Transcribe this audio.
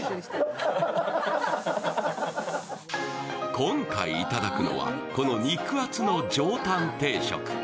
今回頂くのは、この肉厚の上タン定食。